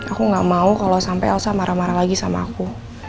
aku gak mau kalau sampai elsa marah marah lagi sama aku